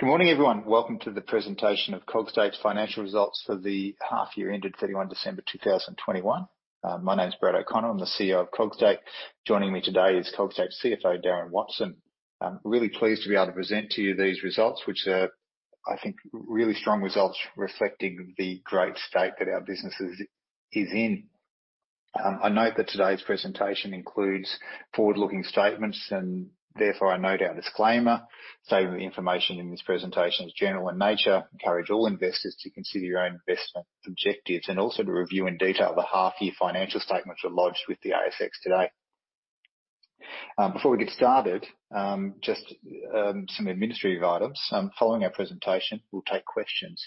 Good morning, everyone. Welcome to the presentation of Cogstate's Financial Results for the half year ended 31 December 2021. My name is Brad O'Connor. I'm the CEO of Cogstate. Joining me today is Cogstate's CFO, Darren Watson. I'm really pleased to be able to present to you these results, which are, I think, really strong results reflecting the great state that our business is in. I note that today's presentation includes forward-looking statements and therefore I note our disclaimer stating that the information in this presentation is general in nature. I encourage all investors to consider your own investment objectives and also to review in detail the half year financial statements that were lodged with the ASX today. Before we get started, some administrative items. Following our presentation, we'll take questions.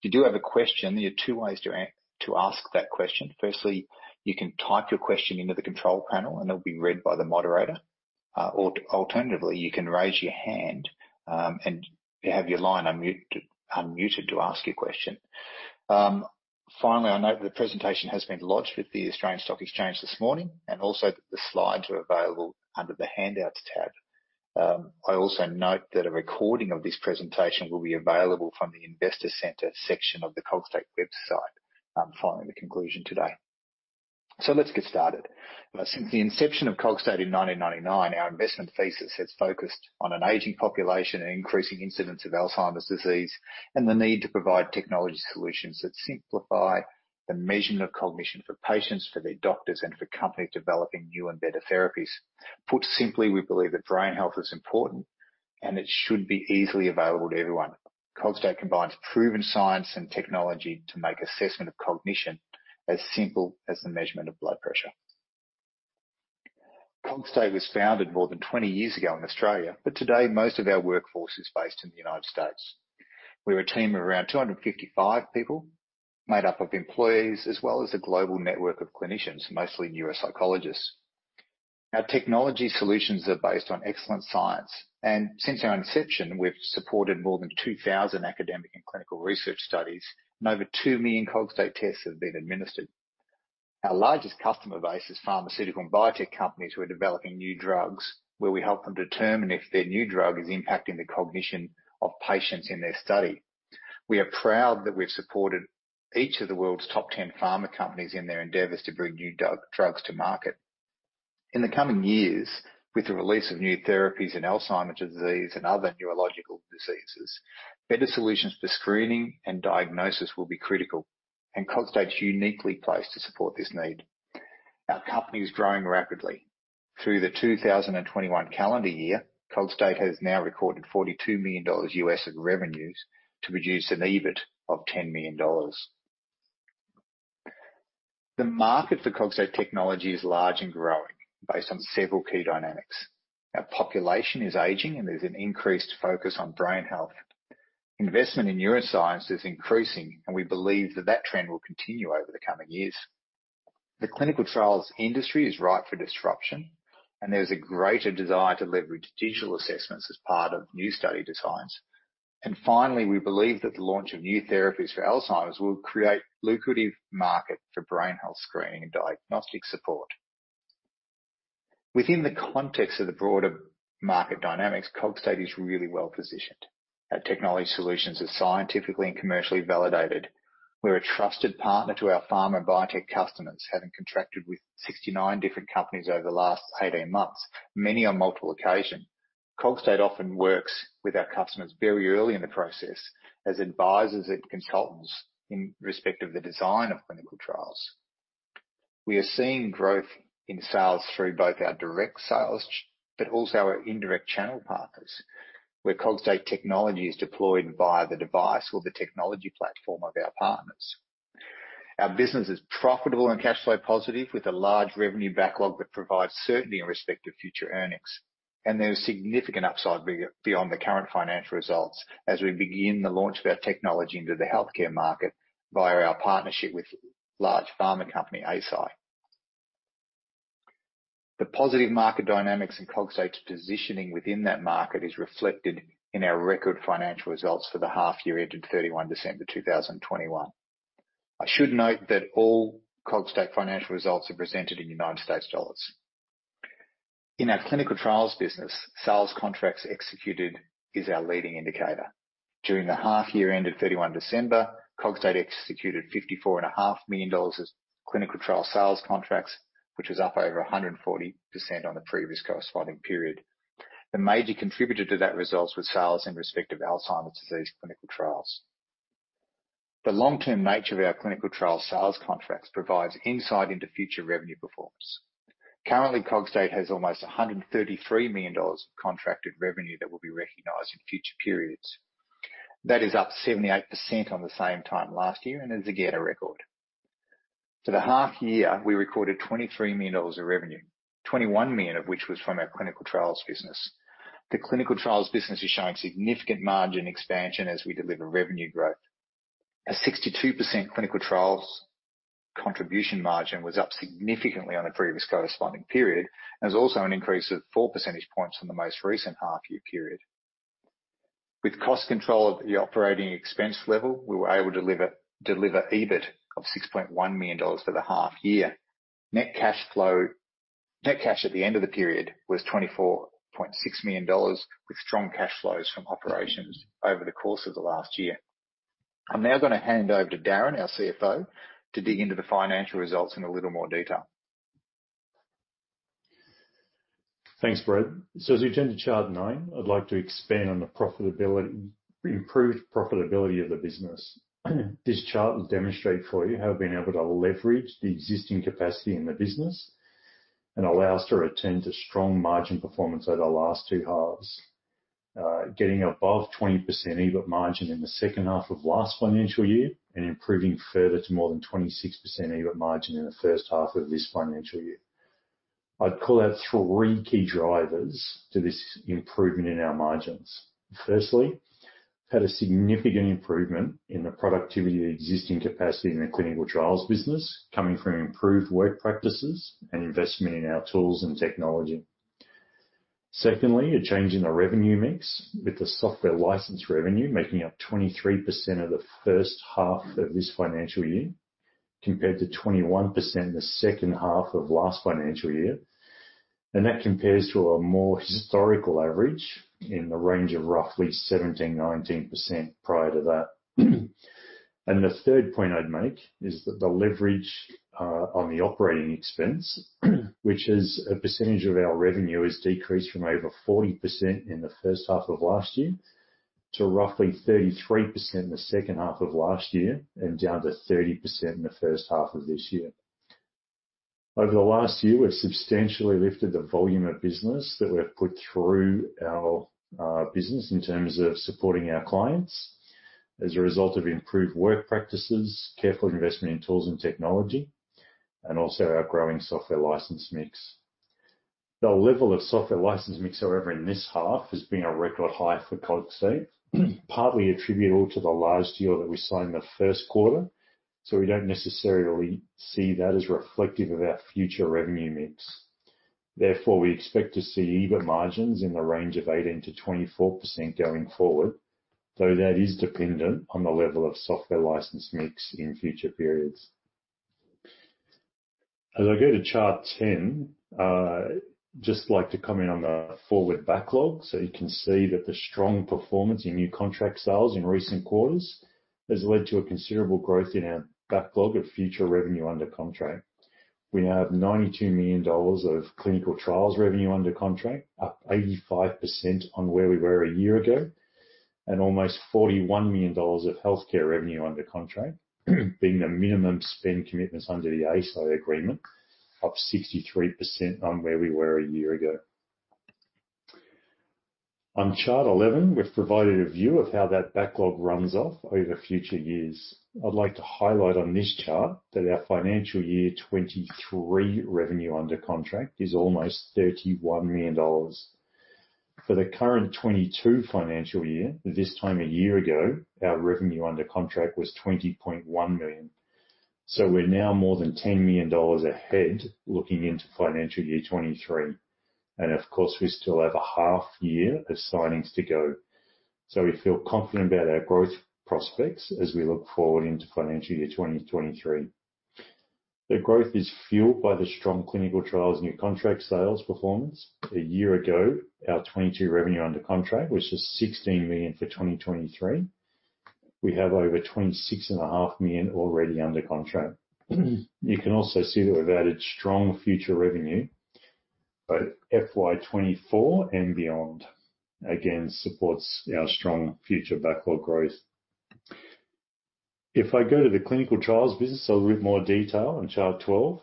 If you do have a question, there are two ways to ask that question. Firstly, you can type your question into the control panel, and it'll be read by the moderator. Alternatively, you can raise your hand, and have your line unmuted to ask your question. Finally, I note that the presentation has been lodged with the Australian Stock Exchange this morning, and also that the slides are available under the Handouts tab. I also note that a recording of this presentation will be available from the Investor Center section of the Cogstate website, following the conclusion today. Let's get started. Since the inception of Cogstate in 1999, our investment thesis has focused on an aging population and increasing incidence of Alzheimer's disease, and the need to provide technology solutions that simplify the measurement of cognition for patients, for their doctors, and for companies developing new and better therapies. Put simply, we believe that brain health is important and it should be easily available to everyone. Cogstate combines proven science and technology to make assessment of cognition as simple as the measurement of blood pressure. Cogstate was founded more than 20 years ago in Australia, but today most of our workforce is based in the United States. We're a team of around 255 people, made up of employees as well as a global network of clinicians, mostly neuropsychologists. Our technology solutions are based on excellent science, and since our inception, we've supported more than 2,000 academic and clinical research studies and over 2 million Cogstate tests have been administered. Our largest customer base is pharmaceutical and biotech companies who are developing new drugs, where we help them determine if their new drug is impacting the cognition of patients in their study. We are proud that we've supported each of the world's Top 10 pharma companies in their endeavors to bring new drugs to market. In the coming years, with the release of new therapies in Alzheimer's disease and other neurological diseases, better solutions for screening and diagnosis will be critical, and Cogstate's uniquely positioned to support this need. Our company is growing rapidly. Through the 2021 calendar year, Cogstate has now recorded $42 million in revenues to produce an EBIT of $10 million. The market for Cogstate technology is large and growing based on several key dynamics. Our population is aging and there's an increased focus on brain health. Investment in neuroscience is increasing, and we believe that that trend will continue over the coming years. The Clinical Trials industry is ripe for disruption and there's a greater desire to leverage digital assessments as part of new study designs. Finally, we believe that the launch of new therapies for Alzheimer's will create a lucrative market for brain health screening and diagnostic support. Within the context of the broader market dynamics, Cogstate is really well-positioned. Our technology solutions are scientifically and commercially validated. We're a trusted partner to our pharma and biotech customers, having contracted with 69 different companies over the last 18 months, many on multiple occasions. Cogstate often works with our customers very early in the process as advisors and consultants in respect of the design of clinical trials. We are seeing growth in sales through both our direct sales, but also our indirect channel partners, where Cogstate technology is deployed via the device or the technology platform of our partners. Our business is profitable and cash flow positive, with a large revenue backlog that provides certainty in respect of future earnings. There's significant upside beyond the current financial results as we begin the launch of our technology into the Healthcare market via our partnership with large pharma company, Eisai. The positive market dynamics in Cogstate's positioning within that market is reflected in our record financial results for the half year ended 31 December 2021. I should note that all Cogstate financial results are presented in US dollars. In our Clinical Trials business, sales contracts executed is our leading indicator. During the half year ended 31 December, Cogstate executed $54.5 million of Clinical Trial sales contracts, which was up over 140% on the previous corresponding period. The major contributor to that result was sales in respect of Alzheimer's disease clinical trials. The long-term nature of our Clinical Trial sales contracts provides insight into future revenue performance. Currently, Cogstate has almost $133 million of contracted revenue that will be recognized in future periods. That is up 78% on the same time last year and is again a record. For the half year, we recorded $23 million of revenue, $21 million of which was from our Clinical Trials business. The Clinical Trials business is showing significant margin expansion as we deliver revenue growth. A 62% Clinical Trials contribution margin was up significantly on the previous corresponding period, and is also an increase of 4% points from the most recent half year period. With cost control at the operating expense level, we were able to deliver EBIT of $6.1 million for the half year. Net cash at the end of the period was $24.6 million, with strong cash flows from operations over the course of the last year. I'm now gonna hand over to Darren, our CFO, to dig into the financial results in a little more detail. Thanks, Brad. As we turn to chart nine, I'd like to expand on the profitability, improved profitability of the business. This chart will demonstrate for you how we've been able to leverage the existing capacity in the business and allow us to return to strong margin performance over the last two halves. Getting above 20% EBIT margin in the second half of last financial year and improving further to more than 26% EBIT margin in the first half of this financial year. I'd call out three key drivers to this improvement in our margins. Firstly, we had a significant improvement in the productivity of the existing capacity in the Clinical Trials business, coming from improved work practices and investment in our tools and technology. Secondly, a change in the revenue mix, with the software license revenue making up 23% of the first half of this financial year compared to 21% in the second half of last financial year. That compares to a more historical average in the range of roughly 17%-19% prior to that. The third point I'd make is that the leverage on the operating expense, which is a percentage of our revenue, has decreased from over 40% in the first half of last year to roughly 33% in the second half of last year and down to 30% in the first half of this year. Over the last year, we've substantially lifted the volume of business that we've put through our business in terms of supporting our clients as a result of improved work practices, careful investment in tools and technology, and also our growing software license mix. The level of software license mix, however, in this half has been a record high for Cogstate, partly attributable to the large deal that we signed in the first quarter, so we don't necessarily see that as reflective of our future revenue mix. Therefore, we expect to see EBIT margins in the range of 18%-24% going forward, though that is dependent on the level of software license mix in future periods. As I go to chart 10, just like to comment on the forward backlog, so you can see that the strong performance in new contract sales in recent quarters has led to a considerable growth in our backlog of future revenue under contract. We now have $92 million of Clinical Trials revenue under contract, up 85% on where we were a year ago, and almost $41 million of Healthcare revenue under contract, being the minimum spend commitments under the ACO agreement, up 63% on where we were a year ago. On chart 11, we've provided a view of how that backlog runs off over future years. I'd like to highlight on this chart that our financial year 2023 revenue under contract is almost $31 million. For the current FY2022, this time a year ago, our revenue under contract was $20.1 million. We're now more than $10 million ahead looking into FY2023. Of course, we still have a half year of signings to go. We feel confident about our growth prospects as we look forward into FY2023. The growth is fueled by the strong Clinical Trials, new contract sales performance. A year ago, our FY2022 revenue under contract, which was $16 million for FY2023. We have over $26.5 million already under contract. You can also see that we've added strong future revenue, both FY2024 and beyond. Again, supports our strong future backlog growth. If I go to the Clinical Trials business, so a bit more detail on Chart 12.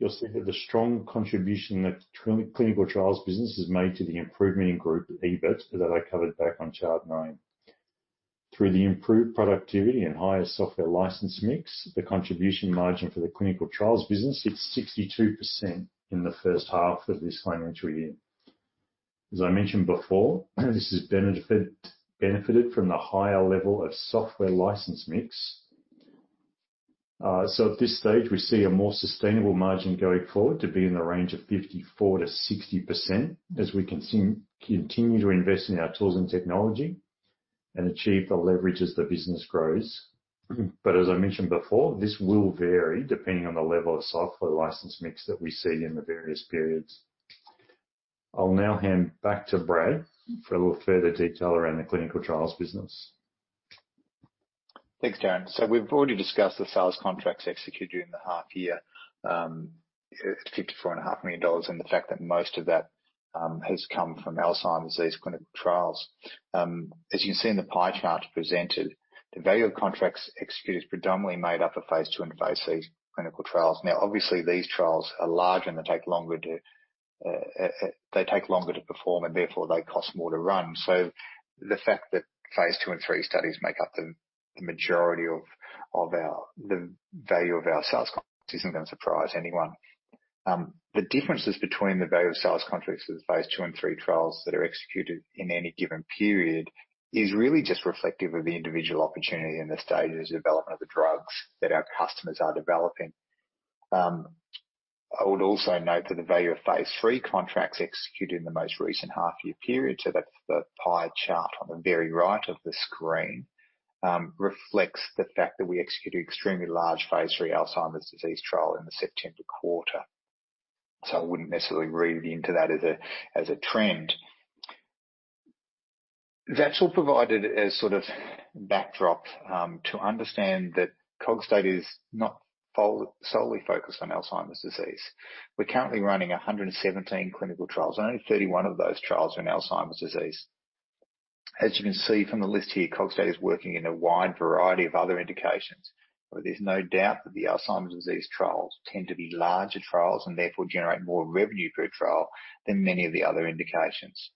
You'll see that the strong contribution that Clinical Trials business has made to the improvement in group EBIT that I covered back on chart nine. Through the improved productivity and higher software license mix, the contribution margin for the Clinical Trials business hits 62% in the first half of this financial year. As I mentioned before, this has benefited from the higher level of software license mix. At this stage, we see a more sustainable margin going forward to be in the range of 54%-60% as we continue to invest in our tools and technology and achieve the leverage as the business grows. As I mentioned before, this will vary depending on the level of software license mix that we see in the various periods. I'll now hand back to Brad for a little further detail around the Clinical Trials business. Thanks, Darren. We've already discussed the sales contracts executed in the half year at $54.5 million, and the fact that most of that has come from Alzheimer's disease clinical trials. As you can see in the pie chart presented, the value of contracts executed is predominantly made up of phase II and phase III clinical trials. Now, obviously, these trials are large and they take longer to perform, and therefore they cost more to run. The fact that phase II and phase III studies make up the majority of our sales contracts isn't gonna surprise anyone. The differences between the value of sales contracts with phase II and III trials that are executed in any given period is really just reflective of the individual opportunity in the stages of development of the drugs that our customers are developing. I would also note that the value of phase III contracts executed in the most recent half year period, so that's the pie chart on the very right of the screen, reflects the fact that we executed extremely large phase III Alzheimer's disease trial in the September quarter. I wouldn't necessarily read into that as a trend. That's all provided as sort of backdrop to understand that Cogstate is not solely focused on Alzheimer's disease. We're currently running 117 clinical trials. Only 31 of those trials are in Alzheimer's disease. As you can see from the list here, Cogstate is working in a wide variety of other indications, but there's no doubt that the Alzheimer's disease trials tend to be larger trials and therefore generate more revenue per trial than many of the other indications.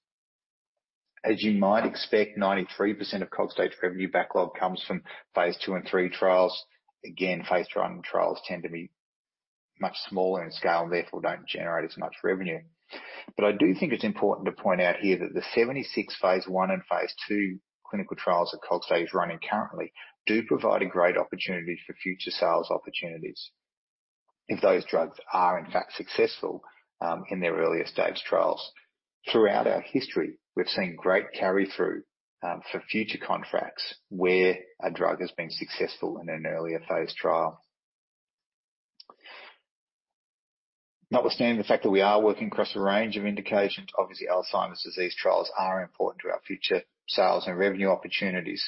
As you might expect, 93% of Cogstate's revenue backlog comes from phase II and III trials. Again, phase I trials tend to be much smaller in scale, therefore don't generate as much revenue. I do think it's important to point out here that the 76 phase I and II clinical trials that Cogstate is running currently do provide a great opportunity for future sales opportunities if those drugs are in fact successful, in their earlier stage trials. Throughout our history, we've seen great carry through, for future contracts where a drug has been successful in an earlier phase trial. Notwithstanding the fact that we are working across a range of indications, obviously Alzheimer's disease trials are important to our future sales and revenue opportunities.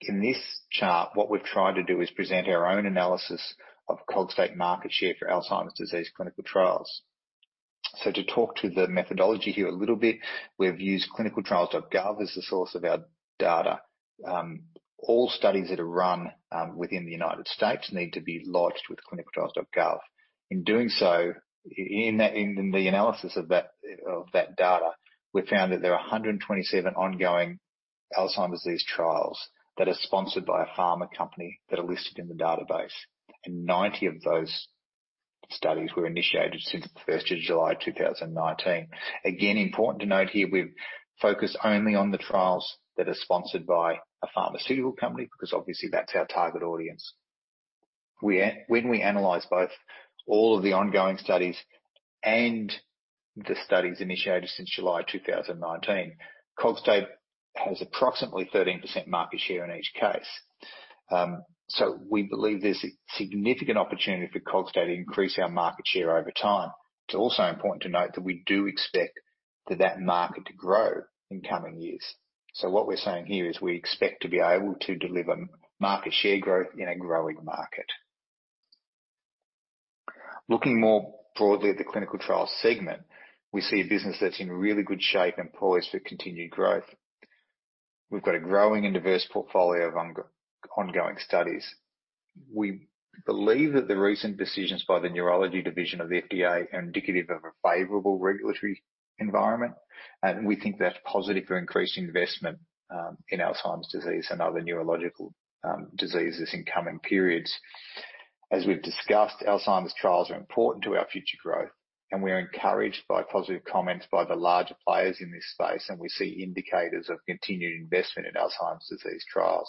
In this chart, what we've tried to do is present our own analysis of Cogstate market share for Alzheimer's disease clinical trials. To talk to the methodology here a little bit, we've used ClinicalTrials.gov as the source of our data. All studies that are run within the United States need to be lodged with ClinicalTrials.gov. In doing so, in the analysis of that data, we found that there are 127 ongoing Alzheimer's disease trials that are sponsored by a pharma company that are listed in the database, and 90 of those studies were initiated since July 1st, 2019.Again, important to note here, we've focused only on the trials that are sponsored by a pharmaceutical company because obviously that's our target audience. When we analyze both all of the ongoing studies and the studies initiated since July 2019, Cogstate has approximately 13% market share in each case. We believe there's a significant opportunity for Cogstate to increase our market share over time. It's also important to note that we do expect that market to grow in coming years. What we're saying here is we expect to be able to deliver market share growth in a growing market. Looking more broadly at the Clinical Trial segment, we see a business that's in really good shape and poised for continued growth. We've got a growing and diverse portfolio of ongoing studies. We believe that the recent decisions by the neurology division of the FDA are indicative of a favorable regulatory environment, and we think that's positive for increased investment in Alzheimer's disease and other neurological diseases in coming periods. As we've discussed, Alzheimer's trials are important to our future growth, and we are encouraged by positive comments by the larger players in this space, and we see indicators of continued investment in Alzheimer's disease trials.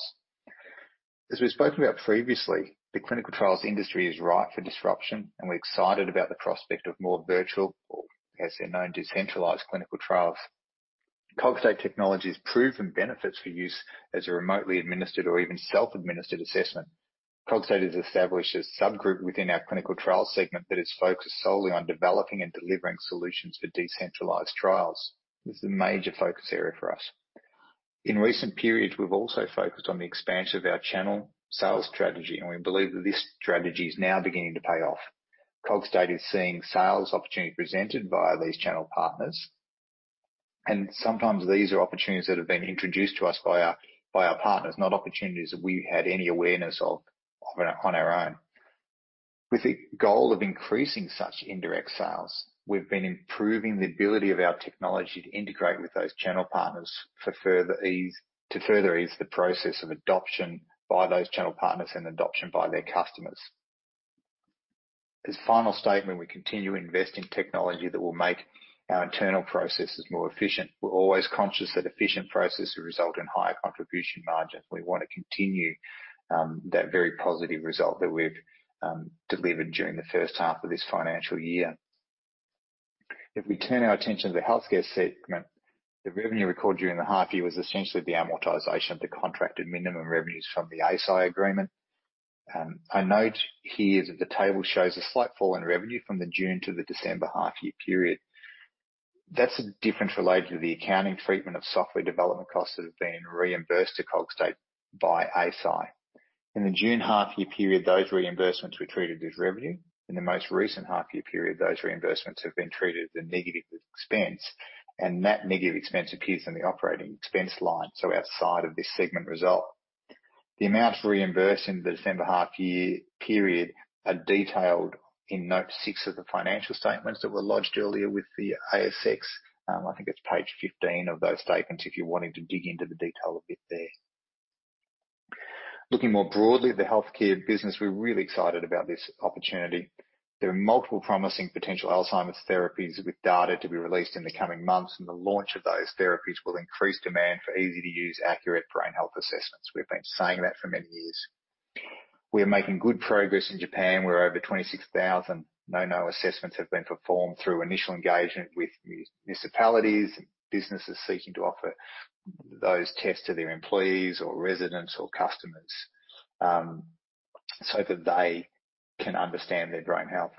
As we've spoken about previously, the Clinical Trials industry is ripe for disruption, and we're excited about the prospect of more virtual or as they're known, decentralized clinical trials. Cogstate technology has proven benefits for use as a remotely administered or even self-administered assessment. Cogstate has established a subgroup within our Clinical Trial segment that is focused solely on developing and delivering solutions for decentralized trials. This is a major focus area for us.In recent periods, we've also focused on the expansion of our channel sales strategy, and we believe that this strategy is now beginning to pay off. Cogstate is seeing sales opportunities presented via these channel partners, and sometimes these are opportunities that have been introduced to us by our partners, not opportunities that we had any awareness of on our own. With the goal of increasing such indirect sales, we've been improving the ability of our technology to integrate with those channel partners to further ease the process of adoption by those channel partners and adoption by their customers. As final statement, we continue to invest in technology that will make our internal processes more efficient. We're always conscious that efficient processes result in higher contribution margins. We wanna continue that very positive result that we've delivered during the first half of this financial year. If we turn our attention to the Healthcare segment, the revenue recorded during the half year was essentially the amortization of the contracted minimum revenues from the Eisai agreement. A note here is that the table shows a slight fall in revenue from the June to the December half year period. That's a difference related to the accounting treatment of software development costs that have been reimbursed to Cogstate by Eisai. In the June half year period, those reimbursements were treated as revenue. In the most recent half year period, those reimbursements have been treated as a negative expense, and that negative expense appears in the operating expense line, so outside of this segment result. The amounts reimbursed in the December half year period are detailed in note six of the financial statements that were lodged earlier with the ASX. I think it's page 15 of those statements if you're wanting to dig into the detail a bit there. Looking more broadly at the Healthcare business, we're really excited about this opportunity. There are multiple promising potential Alzheimer's therapies with data to be released in the coming months, and the launch of those therapies will increase demand for easy-to-use, accurate brain health assessments. We've been saying that for many years. We are making good progress in Japan, where over 26,000 NouKNOW assessments have been performed through initial engagement with municipalities and businesses seeking to offer those tests to their employees or residents or customers, so that they can understand their brain health.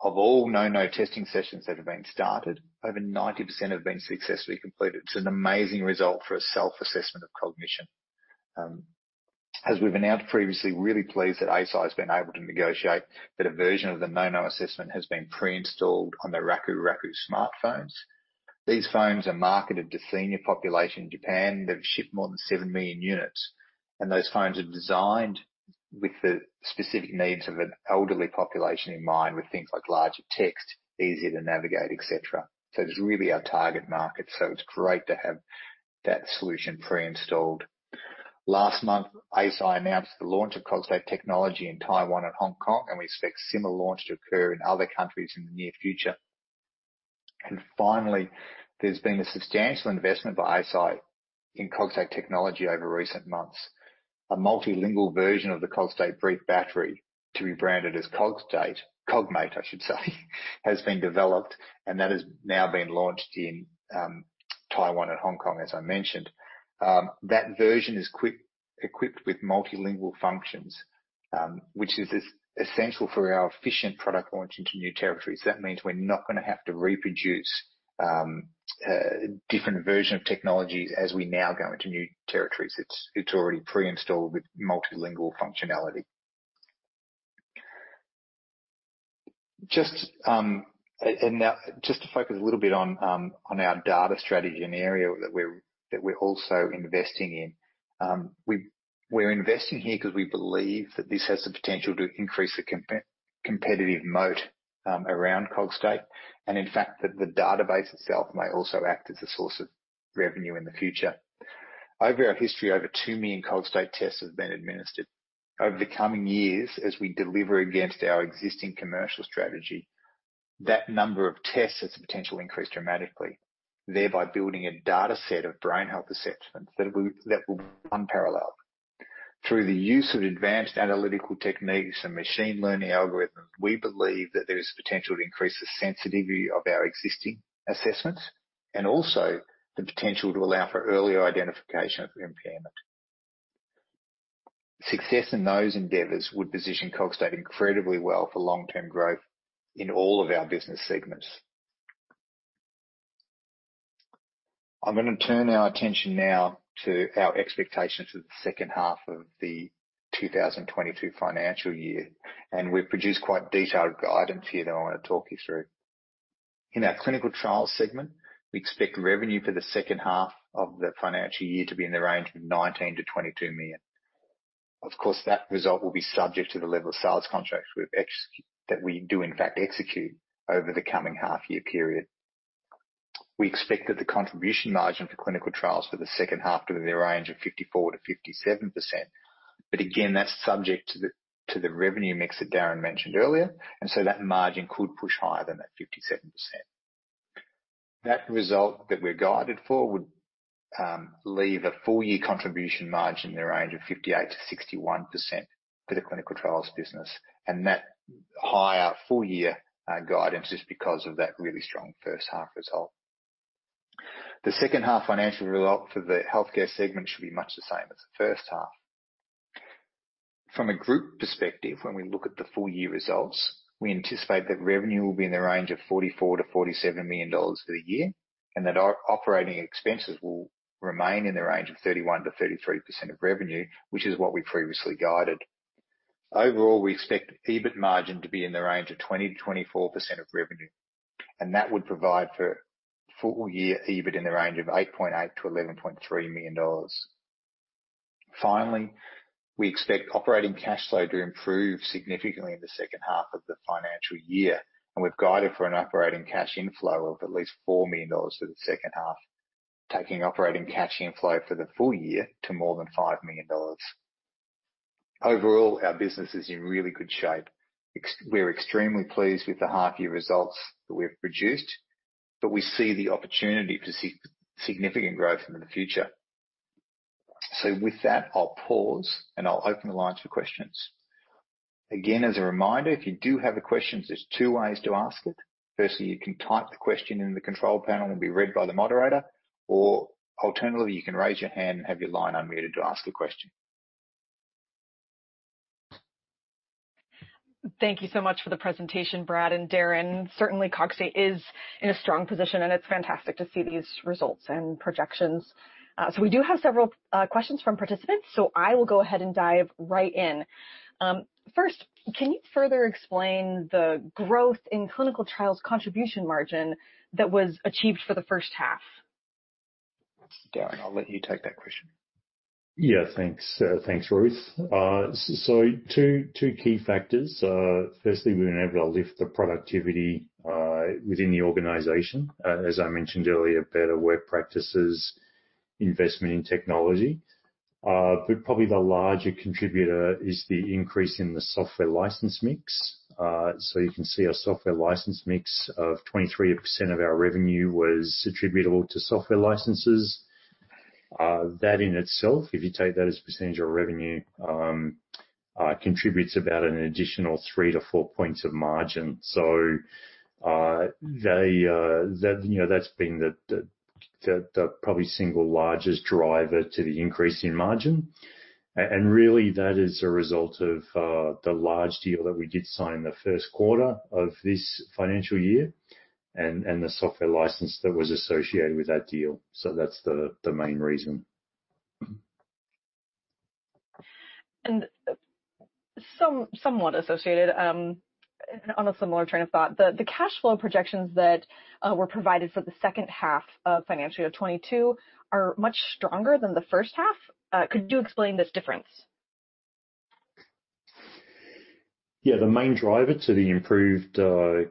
Of all NouKNOW testing sessions that have been started, over 90% have been successfully completed. It's an amazing result for a self-assessment of cognition. As we've announced previously, really pleased that Eisai has been able to negotiate that a version of the NouKNOW assessment has been pre-installed on the Raku-Raku Smartphones. These phones are marketed to senior population in Japan. They've shipped more than 7 million units, and those phones are designed with the specific needs of an elderly population in mind, with things like larger text, easier to navigate, et cetera. It's really our target market, so it's great to have that solution pre-installed. Last month, Eisai announced the launch of Cogstate technology in Taiwan and Hong Kong, and we expect similar launch to occur in other countries in the near future. Finally, there's been a substantial investment by Eisai in Cogstate technology over recent months. A multilingual version of the Cogstate Brief Battery to be branded as Cogstate, CogMate, I should say, has been developed, and that has now been launched in Taiwan and Hong Kong, as I mentioned. That version is quick-equipped with multilingual functions, which is essential for our efficient product launch into new territories. That means we're not gonna have to reproduce a different version of technologies as we now go into new territories. It's already pre-installed with multilingual functionality. Just and now just to focus a little bit on our data strategy, an area that we're also investing in. We're investing here because we believe that this has the potential to increase the competitive moat around Cogstate, and in fact, that the database itself may also act as a source of revenue in the future. Over our history, over 2 million Cogstate tests have been administered. Over the coming years, as we deliver against our existing commercial strategy, that number of tests has the potential to increase dramatically, thereby building a data set of brain health assessments that will be unparalleled. Through the use of advanced analytical techniques and machine learning algorithms, we believe that there is potential to increase the sensitivity of our existing assessments and also the potential to allow for earlier identification of impairment. Success in those endeavors would position Cogstate incredibly well for long-term growth in all of our business segments. I'm gonna turn our attention now to our expectations for the second half of the 2022 financial year, and we've produced quite detailed guidance here that I want to talk you through. In our Clinical Trials segment, we expect revenue for the second half of the financial year to be in the range of 19 million-22 million. Of course, that result will be subject to the level of sales contracts that we do in fact execute over the coming half year period. We expect that the contribution margin for Clinical Trials for the second half to be in the range of 54%-57%. Again, that's subject to the revenue mix that Darren mentioned earlier, and so that margin could push higher than that 57%.That result that we're guided for would leave a full year contribution margin in the range of 58%-61% for the Clinical Trials business. That higher full year guidance is because of that really strong first half result. The second half financial result for the Healthcare segment should be much the same as the first half. From a group perspective, when we look at the full year results, we anticipate that revenue will be in the range of $44 million-$47 million for the year, and that operating expenses will remain in the range of 31%-33% of revenue, which is what we previously guided. Overall, we expect EBIT margin to be in the range of 20%-24% of revenue, and that would provide for full year EBIT in the range of 8.8 million-11.3 million dollars. Finally, we expect operating cash flow to improve significantly in the second half of the financial year, and we've guided for an operating cash inflow of at least 4 million dollars for the second half, taking operating cash inflow for the full year to more than 5 million dollars. Overall, our business is in really good shape. We're extremely pleased with the half year results that we've produced, but we see the opportunity to see significant growth in the future. With that, I'll pause, and I'll open the lines for questions. Again, as a reminder, if you do have a question, there's two ways to ask it. Firstly, you can type the question in the control panel, it will be read by the moderator, or alternatively, you can raise your hand and have your line unmuted to ask the question. Thank you so much for the presentation, Brad and Darren. Certainly, Cogstate is in a strong position, and it's fantastic to see these results and projections. We do have several questions from participants, so I will go ahead and dive right in. First, can you further explain the growth in Clinical Trials contribution margin that was achieved for the first half? Darren, I'll let you take that question. Yeah, thanks. Thanks, Ruth. Two key factors. Firstly, we've been able to lift the productivity within the organization. As I mentioned earlier, better work practices, investment in technology. Probably the larger contributor is the increase in the software license mix. You can see our software license mix of 23% of our revenue was attributable to software licenses. That in itself, if you take that as a percentage of revenue, contributes about an additional 3-4 points of margin. You know, that's been the probably single largest driver to the increase in margin. Really that is a result of the large deal that we did sign in the first quarter of this financial year and the software license that was associated with that deal. That's the main reason. Somewhat associated, on a similar train of thought, the cash flow projections that were provided for the second half of financial year 2022 are much stronger than the first half. Could you explain this difference? Yeah. The main driver to the improved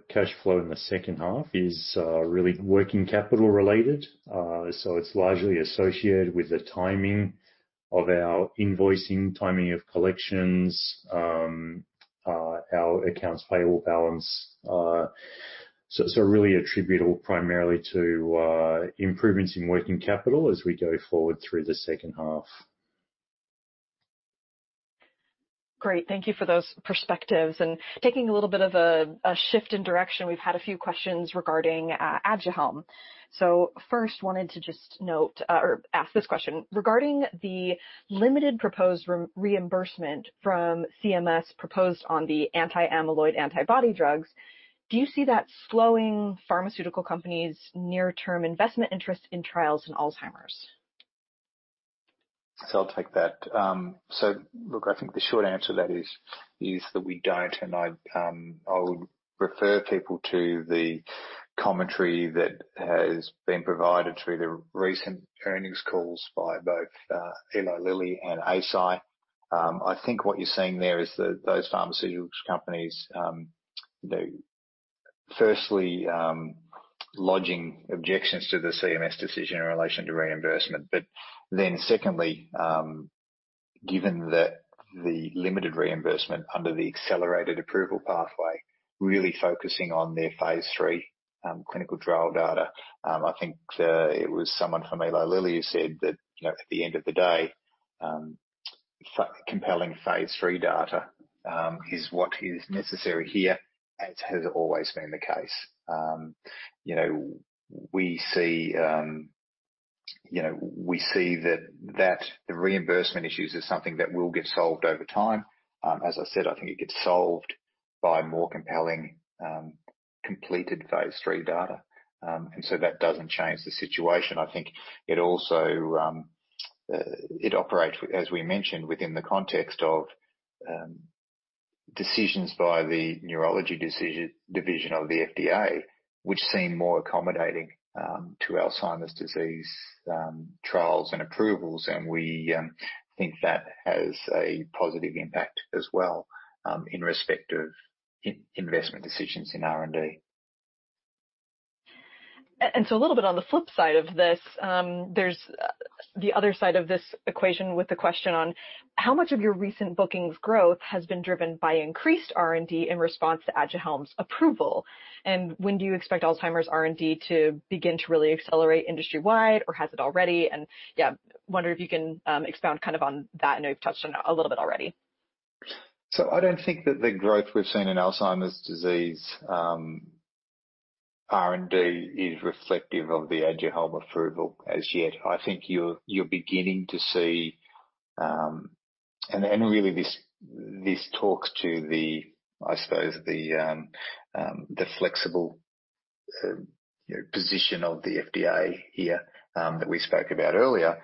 cash flow in the second half is really working capital related. It's largely associated with the timing of our invoicing, timing of collections, our Accounts payable balance. Really attributable primarily to improvements in working capital as we go forward through the second half. Great. Thank you for those perspectives. Taking a little bit of a shift in direction, we've had a few questions regarding Aduhelm. First, wanted to just note or ask this question: regarding the limited proposed reimbursement from CMS proposed on the anti-amyloid antibody drugs, do you see that slowing pharmaceutical companies' near-term investment interest in trials in Alzheimer's? I'll take that. Look, I think the short answer to that is that we don't. I'll refer people to the commentary that has been provided through the recent earnings calls by both, Eli Lilly and Eisai. I think what you're seeing there is that those pharmaceutical companies, they firstly lodging objections to the CMS decision in relation to reimbursement. Secondly, given that the limited reimbursement under the accelerated approval pathway, really focusing on their phase III, clinical trial data, I think it was someone from Eli Lilly who said that, you know, at the end of the day, compelling phase III data is what is necessary here, as has always been the case. You know, we see that the reimbursement issues is something that will get solved over time. As I said, I think it gets solved by more compelling completed phase III data. That doesn't change the situation. I think it also operates, as we mentioned, within the context of decisions by the neurology division of the FDA, which seem more accommodating to Alzheimer's disease trials and approvals. We think that has a positive impact as well, in respect of investment decisions in R&D. A little bit on the flip side of this, there's the other side of this equation with the question on how much of your recent bookings growth has been driven by increased R&D in response to Aduhelm's approval, and when do you expect Alzheimer's R&D to begin to really accelerate industry-wide, or has it already? Yeah, wonder if you can expound kind of on that. I know you've touched on it a little bit already. I don't think that the growth we've seen in Alzheimer's disease R&D is reflective of the Aduhelm approval as yet. I think you're beginning to see the flexible, you know, position of the FDA here that we spoke about earlier.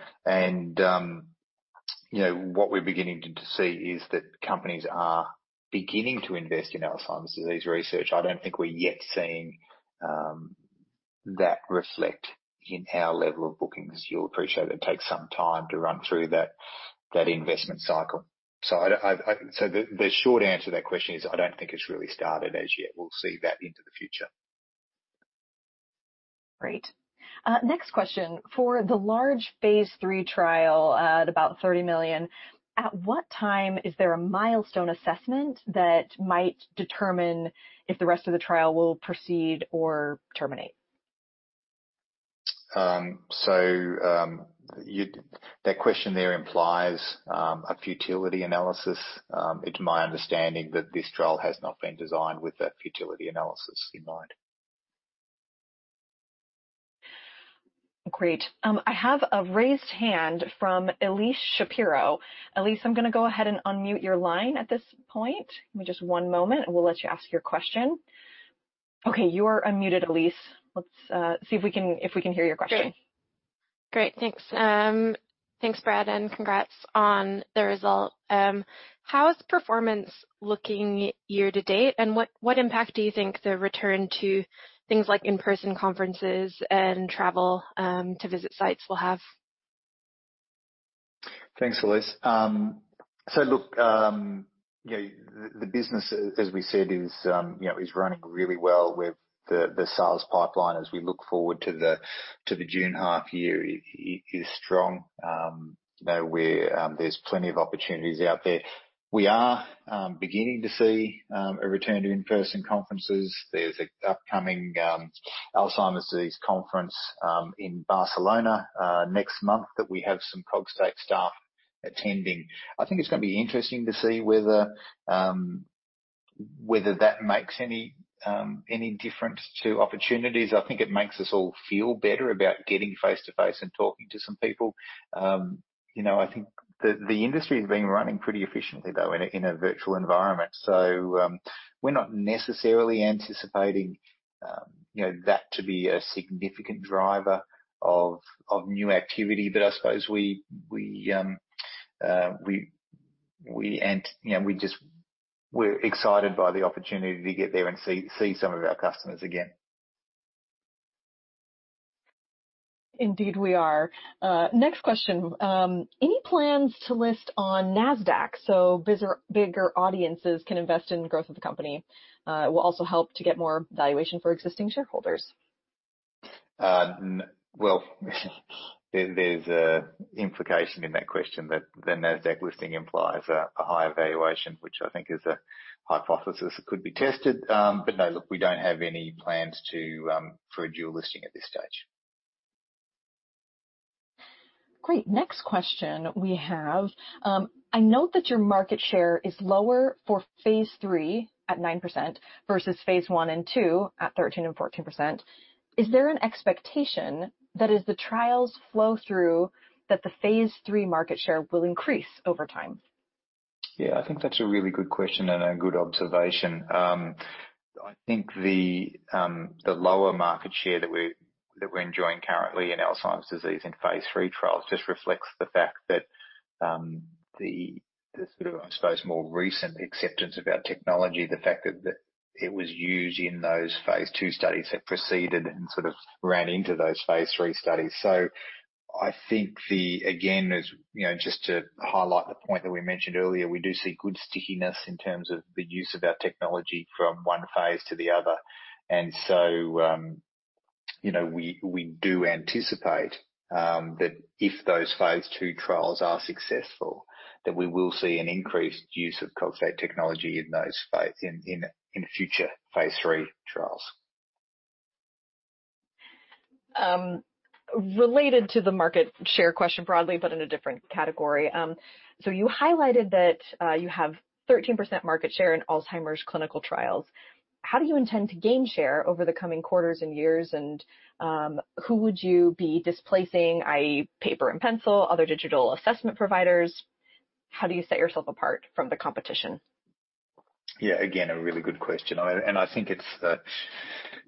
You know, what we're beginning to see is that companies are beginning to invest in Alzheimer's disease research. I don't think we're yet seeing that reflect in our level of bookings. You'll appreciate it takes some time to run through that investment cycle. The short answer to that question is I don't think it's really started as yet. We'll see that into the future. Great. Next question. For the large phase III trial, at about $30 million, at what time is there a milestone assessment that might determine if the rest of the trial will proceed or terminate? That question there implies a futility analysis. It's my understanding that this trial has not been designed with a futility analysis in mind. Great. I have a raised hand from Elyse Shapiro. Elyse, I'm gonna go ahead and unmute your line at this point. Give me just one moment, and we'll let you ask your question. Okay, you are unmuted, Elyse. Let's see if we can hear your question. Great. Great, thanks. Thanks, Brad, and congrats on the result. How is performance looking year to date, and what impact do you think the return to things like in-person conferences and travel to visit sites will have? Thanks, Elyse. So look, you know, the business, as we said, is running really well with the sales pipeline as we look forward to the June half year is strong. You know, we're beginning to see a return to in-person conferences. There's an upcoming Alzheimer's disease conference in Barcelona next month that we have some Cogstate staff attending. I think it's gonna be interesting to see whether that makes any difference to opportunities. I think it makes us all feel better about getting face-to-face and talking to some people. You know, I think the industry has been running pretty efficiently, though, in a virtual environment. We're not necessarily anticipating, you know, that to be a significant driver of new activity. I suppose we're excited by the opportunity to get there and see some of our customers again. Indeed, we are. Next question. Any plans to list on Nasdaq so bigger audiences can invest in the growth of the company? It will also help to get more valuation for existing shareholders. Well, there's an implication in that question that the Nasdaq listing implies a higher valuation, which I think is a hypothesis that could be tested. No. Look, we don't have any plans for a dual listing at this stage. Great. Next question we have, I note that your market share is lower for phase III at 9% versus phase I and II at 13% and 14%. Is there an expectation that as the trials flow through, that the phase III market share will increase over time? Yeah, I think that's a really good question and a good observation. I think the lower market share that we're enjoying currently in Alzheimer's disease in phase III trials just reflects the fact that the sort of, I suppose, more recent acceptance of our technology, the fact that it was used in those phase II studies have preceded and sort of ran into those phase III studies. I think the, again, as you know, just to highlight the point that we mentioned earlier, we do see good stickiness in terms of the use of our technology from one phase to the other. You know, we do anticipate that if those phase II trials are successful, that we will see an increased use of Cogstate technology in those in future phase III trials. Related to the market share question broadly, but in a different category. You highlighted that you have 13% market share in Alzheimer's clinical trials. How do you intend to gain share over the coming quarters and years? Who would you be displacing, i.e., paper and pencil, other digital assessment providers? How do you set yourself apart from the competition? Yeah, again, a really good question. I think it's a,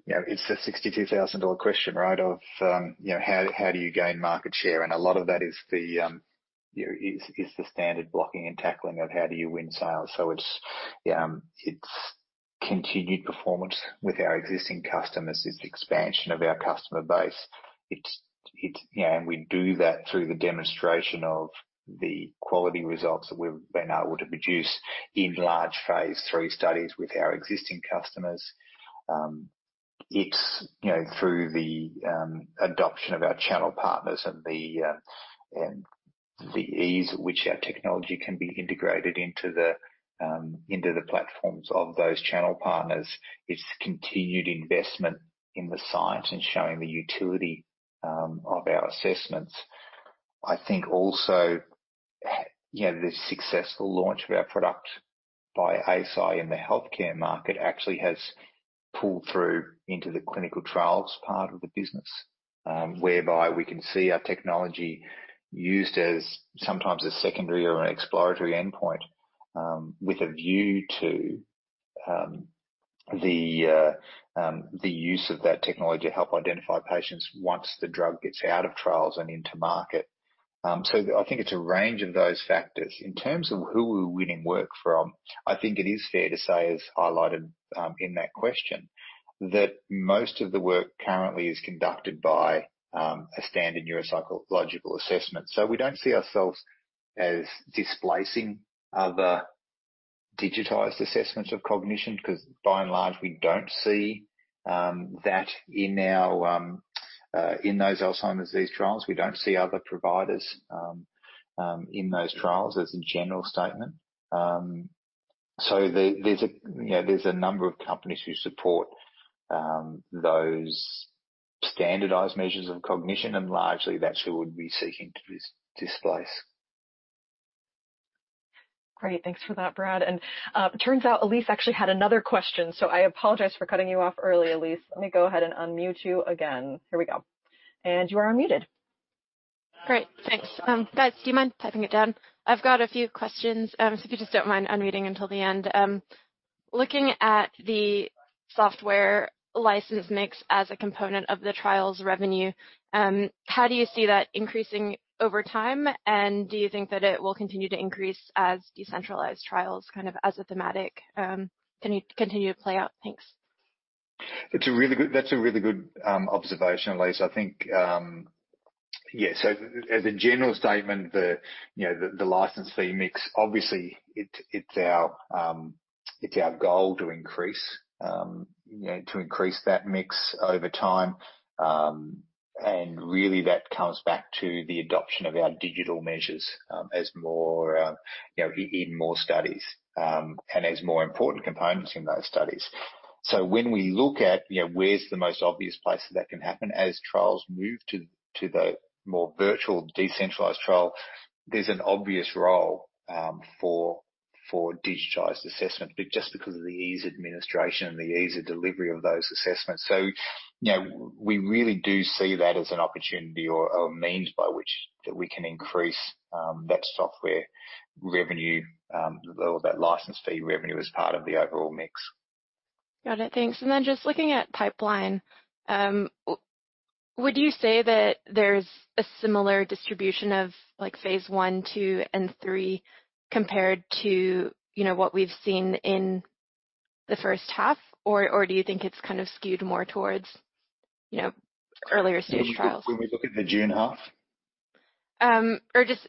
you know, $62,000 question, right? How do you gain market share? A lot of that is the, you know, standard blocking and tackling of how do you win sales. It's continued performance with our existing customers. It's expansion of our customer base. It's, you know, we do that through the demonstration of the quality results that we've been able to produce in large phase III studies with our existing customers. It's, you know, through the adoption of our channel partners and the ease at which our technology can be integrated into the platforms of those channel partners. It's continued investment in the science and showing the utility of our assessments. I think also, you know, the successful launch of our product by Eisai in the Healthcare market actually has pulled through into the clinical trials part of the business, whereby we can see our technology used as sometimes a secondary or an exploratory endpoint, with a view to the use of that technology to help identify patients once the drug gets out of trials and into market. I think it's a range of those factors. In terms of who we're winning work from, I think it is fair to say, as highlighted in that question, that most of the work currently is conducted by a standard neuropsychological assessment. We don't see ourselves as displacing other digitized assessments of cognition, 'cause by and large, we don't see that in those Alzheimer's disease trials. We don't see other providers in those trials as a general statement. There's a number of companies who support those standardized measures of cognition, and largely that's who we'd be seeking to displace. Great. Thanks for that, Brad. Turns out Elyse actually had another question. I apologize for cutting you off early, Elyse. Let me go ahead and unmute you again. Here we go. You are unmuted. Great. Thanks. Guys, do you mind typing it down? I've got a few questions, so if you just don't mind unmuting until the end. Looking at the software license mix as a component of the trials revenue, how do you see that increasing over time? Do you think that it will continue to increase as decentralized trials kind of as a thematic continue to play out? Thanks. That's a really good observation, Elyse. I think, yeah, so as a general statement, you know, the license fee mix, obviously it's our goal to increase that mix over time. Really that comes back to the adoption of our digital measures, as more studies and as more important components in those studies. When we look at, you know, where's the most obvious place that that can happen as trials move to the more virtual decentralized trial, there's an obvious role for digitized assessment, just because of the ease of administration and the ease of delivery of those assessments. You know, we really do see that as an opportunity or a means by which that we can increase that software revenue or that license fee revenue as part of the overall mix. Got it. Thanks. Just looking at pipeline, would you say that there's a similar distribution of like phase I, II, and III compared to, you know, what we've seen in the first half? Or do you think it's kind of skewed more towards, you know, earlier stage trials? When we look at the June half?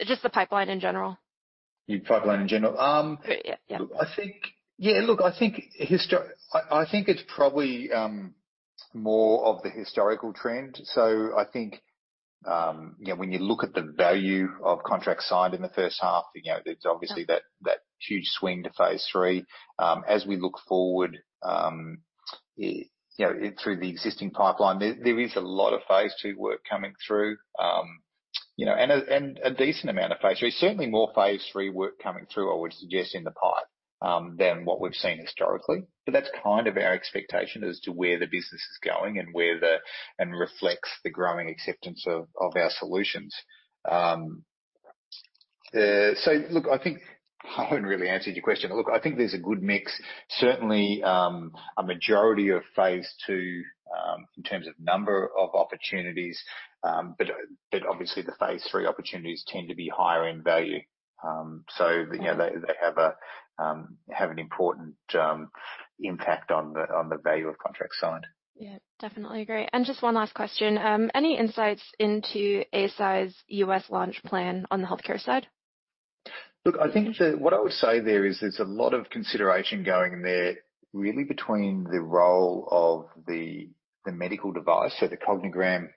just the pipeline in general. The pipeline in general? Yeah. Yeah. I think it's probably more of the historical trend. I think you know, when you look at the value of contracts signed in the first half, you know, there's obviously that huge swing to phase III. As we look forward, you know, through the existing pipeline, there is a lot of phase II work coming through, you know, and a decent amount of phase III. Certainly more phase III work coming through, I would suggest, in the pipeline than what we've seen historically. But that's kind of our expectation as to where the business is going and reflects the growing acceptance of our solutions. Look, I think I haven't really answered your question. Look, I think there's a good mix, certainly, a majority of phase II, in terms of number of opportunities, but obviously the phase III opportunities tend to be higher in value. You know, they have an important impact on the value of contracts signed. Yeah, definitely. Great. Just one last question. Any insights into Eisai's US launch plan on the Healthcare side? Look, I think what I would say there is there's a lot of consideration going there really between the role of the medical device. The Cognigram,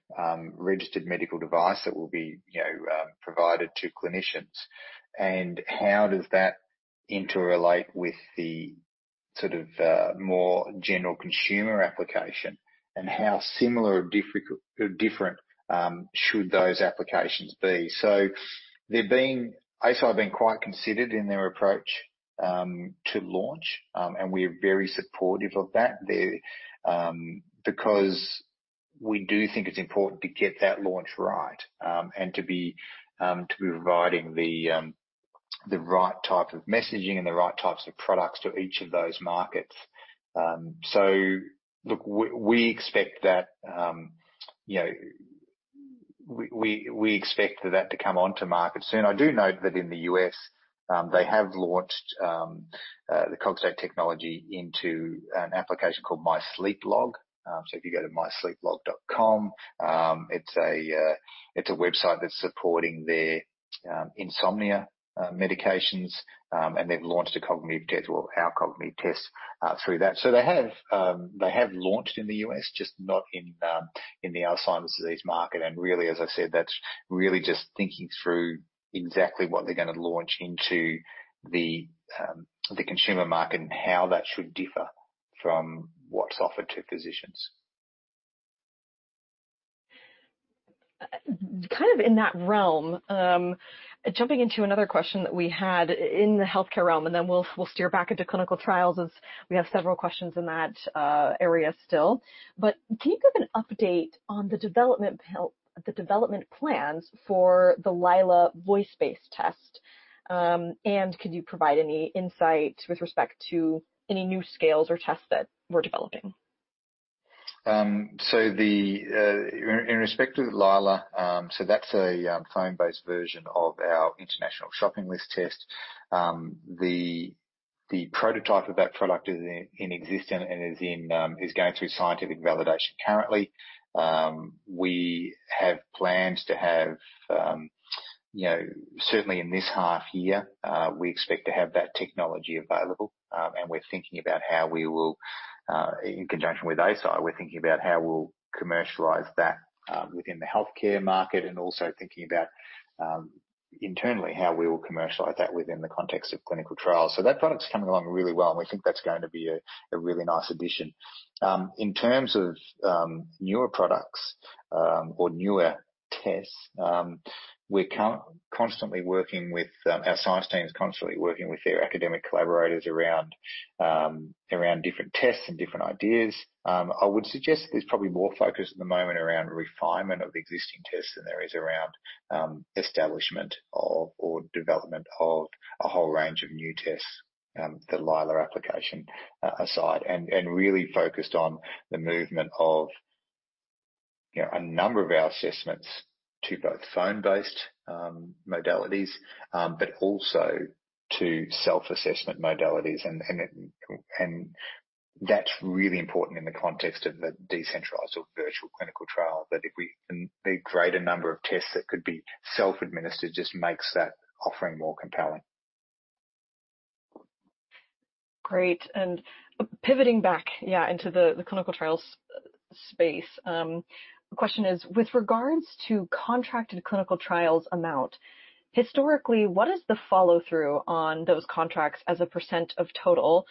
registered medical device that will be, you know, provided to clinicians, and how does that interrelate with the sort of more general consumer application, and how similar or different should those applications be? Eisai have been quite considered in their approach to launch, and we're very supportive of that. They, because we do think it's important to get that launch right, and to be providing the right type of messaging and the right types of products to each of those markets. Look, we expect that, you know, we expect that to come onto market soon. I do note that in the U.S., they have launched the Cogstate technology into an application called My Sleep Log. If you go to mysleeplog.com, it's a website that's supporting their insomnia medications, and they've launched a cognitive test or our cognitive test through that. They have launched in the U.S., just not in the Alzheimer's disease market. Really, as I said, that's really just thinking through exactly what they're gonna launch into the consumer market and how that should differ from what's offered to physicians. Kind of in that realm, jumping into another question that we had in the Healthcare realm, and then we'll steer back into Clinical Trials as we have several questions in that area still. But can you give an update on the development plans for the Lila voice-based test? And could you provide any insight with respect to any new scales or tests that we're developing? In respect to the Lila, that's a phone-based version of our International Shopping List Test. The prototype of that product is in existence and is going through scientific validation currently. We have plans to have, you know, certainly in this half year, we expect to have that technology available. We're thinking about how we'll commercialize that in conjunction with Eisai within the Healthcare market and also, internally, how we will commercialize that within the context of Clinical Trials. That product's coming along really well, and we think that's going to be a really nice addition. In terms of newer products or newer tests, our science team is constantly working with their academic collaborators around different tests and different ideas. I would suggest there's probably more focus at the moment around refinement of existing tests than there is around establishment of or development of a whole range of new tests, the Lila application aside. Really focused on the movement of, you know, a number of our assessments to both phone-based modalities but also to self-assessment modalities. That's really important in the context of the decentralized or virtual clinical trial, that if we can create a number of tests that could be self-administered just makes that offering more compelling. Great. Pivoting back, yeah, into the clinical trials space. The question is, with regards to contracted clinical trials amount, historically, what is the follow-through on those contracts as a % of total?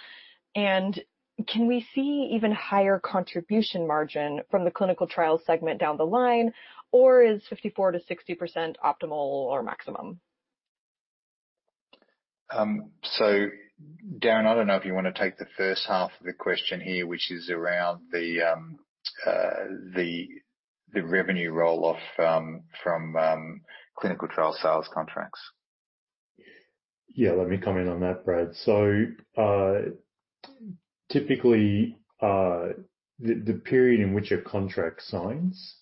Can we see even higher contribution margin from the Clinical Trial segment down the line, or is 54%-60% optimal or maximum? Darren, I don't know if you wanna take the first half of the question here, which is around the revenue roll-off from Clinical Trial sales contracts. Yeah, let me comment on that, Brad. Typically, the period in which a contract signs,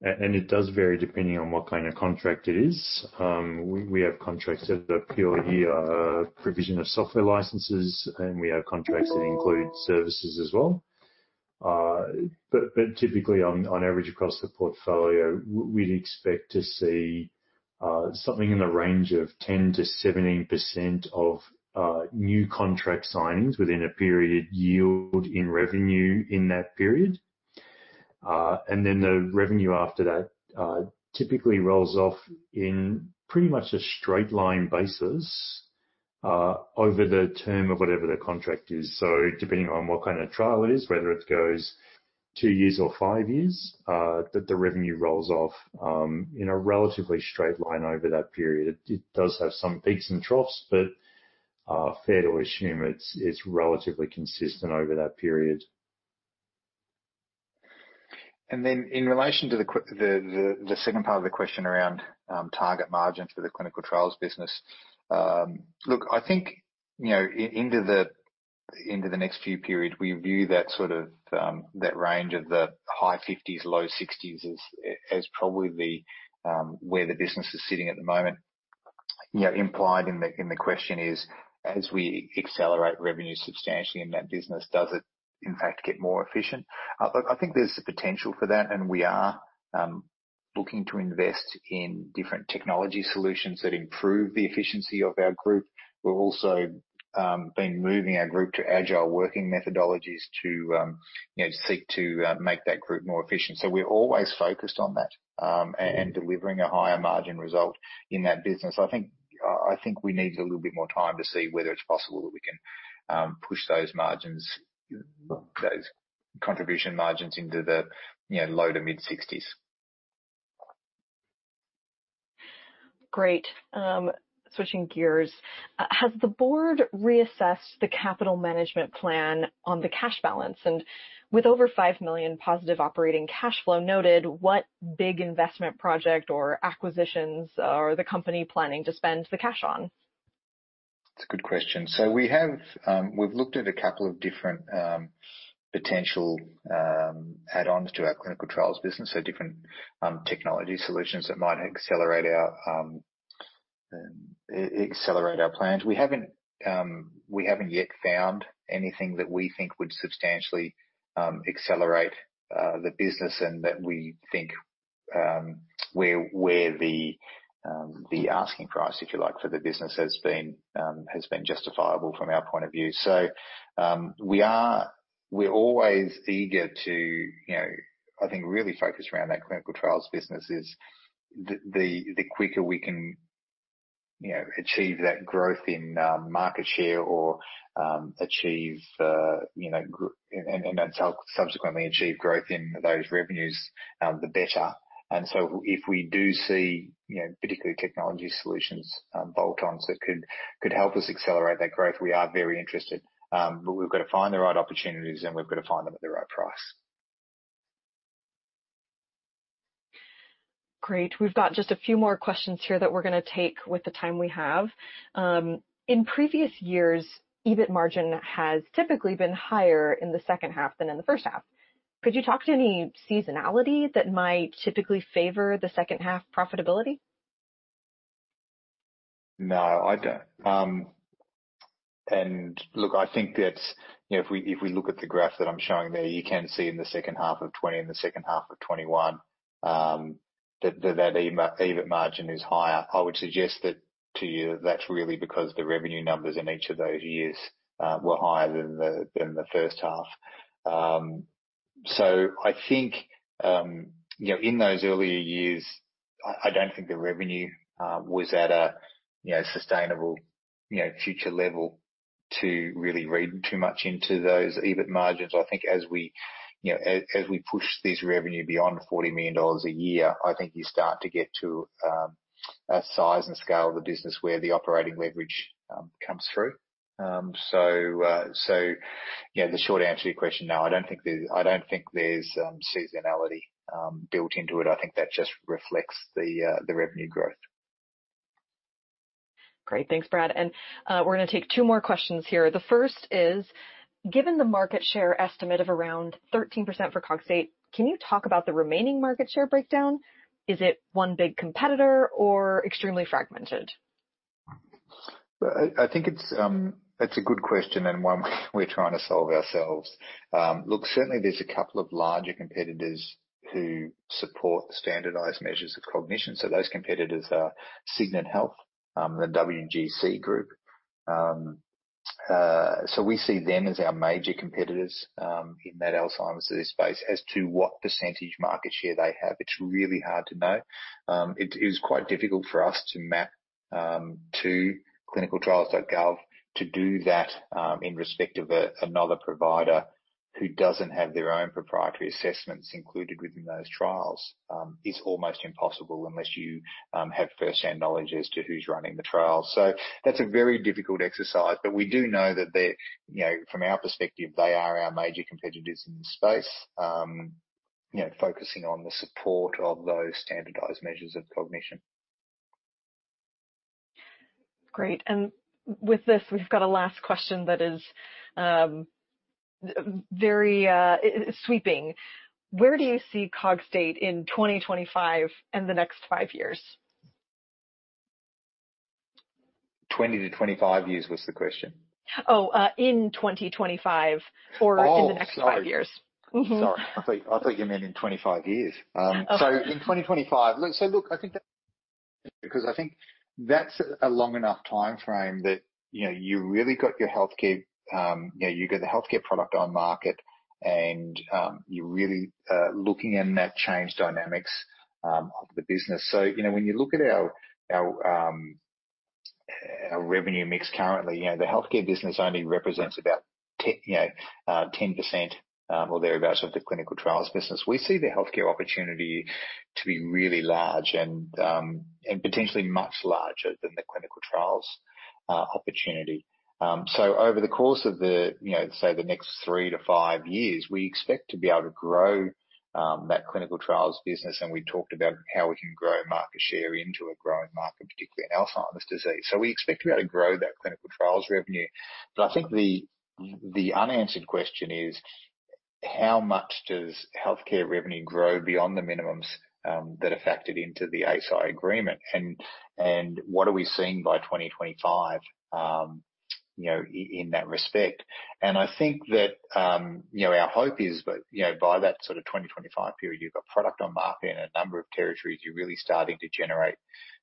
and it does vary depending on what kind of contract it is. We have contracts that are purely provision of software licenses, and we have contracts that include services as well. Typically on average across the portfolio, we'd expect to see something in the range of 10%-17% of new contract signings within a period yield revenue in that period. The revenue after that typically rolls off in pretty much a straight line basis over the term of whatever the contract is. Depending on what kind of trial it is, whether it goes two years or five years, the revenue rolls off in a relatively straight line over that period. It does have some peaks and troughs, but fair to assume it's relatively consistent over that period. In relation to the second part of the question around target margin for the Clinical Trials business. Look, I think, you know, into the next few periods, we view that sort of range of the high 50s%-low 60s% as probably where the business is sitting at the moment. You know, implied in the question is, as we accelerate revenue substantially in that business, does it in fact get more efficient? Look, I think there's the potential for that, and we are looking to invest in different technology solutions that improve the efficiency of our group. We're also been moving our group to agile working methodologies to, you know, seek to make that group more efficient. We're always focused on that, and delivering a higher margin result in that business. I think we need a little bit more time to see whether it's possible that we can push those margins, those contribution margins into the, you know, low- to mid-60s%. Great. Switching gears. Has the board reassessed the capital management plan on the cash balance? With over $5 million positive operating cash flow noted, what big investment project or acquisitions are the company planning to spend the cash on? That's a good question. We've looked at a couple of different potential add-ons to our Clinical Trials business. Different technology solutions that might accelerate our plans. We haven't yet found anything that we think would substantially accelerate the business and that we think where the asking price, if you like, for the business has been justifiable from our point of view. We're always eager to, you know, I think really focus around that Clinical Trials business, the quicker we can, you know, achieve that growth in market share or achieve, you know, and subsequently achieve growth in those revenues, the better. If we do see, you know, particularly technology solutions, bolt-ons that could help us accelerate that growth, we are very interested. We've got to find the right opportunities, and we've got to find them at the right price. Great. We've got just a few more questions here that we're gonna take with the time we have. In previous years, EBIT margin has typically been higher in the second half than in the first half. Could you talk to any seasonality that might typically favor the second half profitability? No, I don't. Look, I think that's, you know, if we look at the graph that I'm showing there, you can see in the second half of 2020 and the second half of 2021, that EBIT margin is higher. I would suggest that to you that's really because the revenue numbers in each of those years were higher than the first half. I think, you know, in those earlier years, I don't think the revenue was at a, you know, sustainable, you know, future level to really read too much into those EBIT margins. I think as we, you know, as we push this revenue beyond $40 million a year, I think you start to get to a size and scale of the business where the operating leverage comes through. You know, the short answer to your question, no. I don't think there's seasonality built into it. I think that just reflects the revenue growth. Great. Thanks, Brad. We're gonna take two more questions here. The first is, given the market share estimate of around 13% for Cogstate, can you talk about the remaining market share breakdown? Is it one big competitor or extremely fragmented? Well, I think it's a good question and one we're trying to solve ourselves. Look, certainly there's a couple of larger competitors who support standardized measures of cognition. Those competitors are Signant Health, the WCG Clinical. We see them as our major competitors in that Alzheimer's disease space. As to what percentage market share they have, it's really hard to know. It is quite difficult for us to map to ClinicalTrials.gov to do that in respect of another provider who doesn't have their own proprietary assessments included within those trials. It's almost impossible unless you have first-hand knowledge as to who's running the trial. That's a very difficult exercise. We do know that they're, you know, from our perspective, they are our major competitors in the space, you know, focusing on the support of those standardized measures of cognition. Great. With this, we've got a last question that is very sweeping. Where do you see Cogstate in 2025 and the next five years? 20-25 years was the question. Oh, in 2025 or Oh, sorry. In the next five years.. Sorry. I thought you meant in 25 years. In 2025. Look, I think that's a long enough timeframe that, you know, you really get the Healthcare product on market and you're really looking at the changing dynamics of the business. You know, when you look at our revenue mix currently, you know, the Healthcare business only represents about 10%, you know, or thereabouts of the Clinical Trials business. We see the Healthcare opportunity to be really large and potentially much larger than the Clinical Trials opportunity. Over the course of the, you know, say the next 3-5 years, we expect to be able to grow that Clinical Trials business, and we talked about how we can grow market share into a growing market, particularly in Alzheimer's disease. We expect to be able to grow that Clinical Trials revenue. I think the unanswered question is how much does Healthcare revenue grow beyond the minimums that are factored into the Eisai agreement, and what are we seeing by 2025, you know, in that respect? I think that our hope is that, by that sort of 2025 period, you've got product on market in a number of territories, you're really starting to generate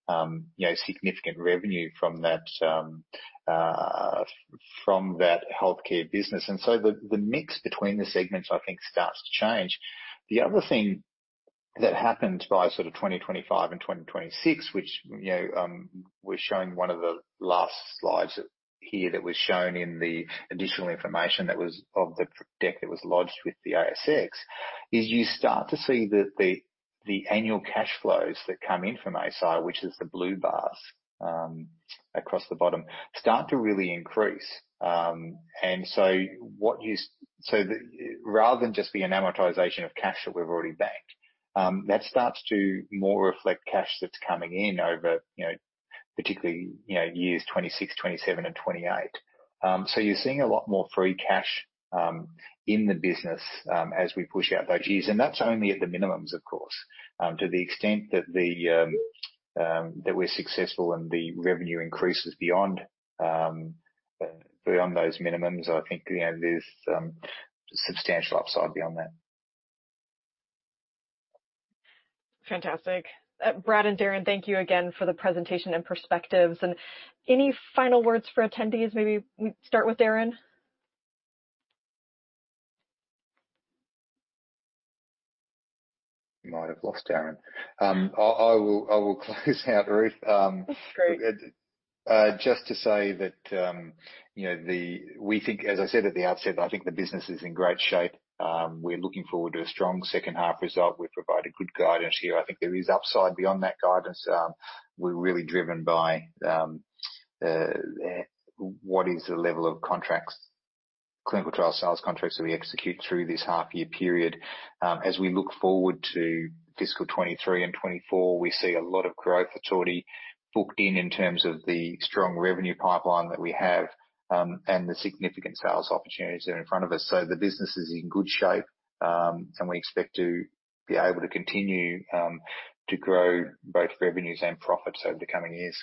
you know, significant revenue from that from that Healthcare business. The mix between the segments, I think, starts to change. The other thing that happens by sort of 2025 and 2026, which we're showing one of the last slides here that was shown in the additional information of the deck that was lodged with the ASX, is you start to see the annual cash flows that come in from Eisai, which is the blue bars across the bottom, start to really increase. Rather than just the amortization of cash that we've already banked, that starts to more reflect cash that's coming in over, particularly, years 2026, 2027 and 2028. You're seeing a lot more free cash in the business as we push out those years. That's only at the minimums, of course. To the extent that we're successful and the revenue increases beyond those minimums, I think, you know, there's substantial upside beyond that. Fantastic. Brad and Darren, thank you again for the presentation and perspectives. Any final words for attendees? Maybe we start with Darren. Might have lost Darren. I will close out, Ruth. That's great. We think, as I said at the outset, I think the business is in great shape. You know, we're looking forward to a strong second half result. We've provided good guidance here. I think there is upside beyond that guidance. We're really driven by what is the level of contracts, Clinical Trial sales contracts that we execute through this half year period. As we look forward to fiscal 2023 and 2024, we see a lot of growth that's already booked in terms of the strong revenue pipeline that we have, and the significant sales opportunities that are in front of us. The business is in good shape, and we expect to be able to continue to grow both revenues and profits over the coming years.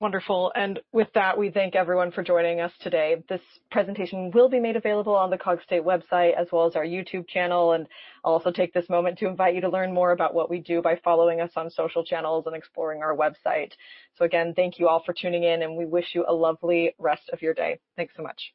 Wonderful. With that, we thank everyone for joining us today. This presentation will be made available on the Cogstate website as well as our YouTube channel. I'll also take this moment to invite you to learn more about what we do by following us on social channels and exploring our website. Again, thank you all for tuning in, and we wish you a lovely rest of your day. Thanks so much.